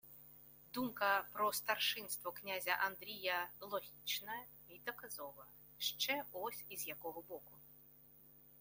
Думка про старшинство князя Андрія логічна й доказова ще ось із якого боку